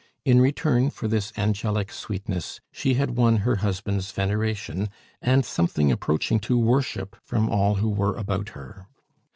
In return for this angelic sweetness, she had won her husband's veneration and something approaching to worship from all who were about her.